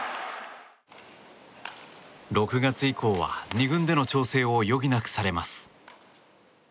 ６月以降は、２軍での調整を余儀なくされます。